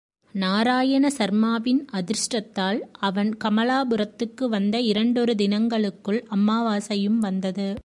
நாராயண சர்மாவின் அதிருஷ்டத்தால், அவன் கமலாபுரத்துக்கு வந்த இரண்டொரு தினங்களுக்குள் அமாவாசையும் வந்தது.